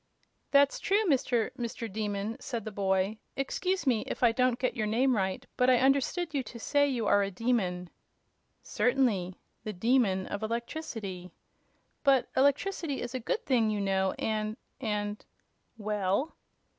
"That's true, Mr. Mr. Demon," said the boy. "Excuse me if I don't get your name right, but I understood you to say you are a demon." "Certainly. The Demon of Electricity." "But electricity is a good thing, you know, and and " "Well?"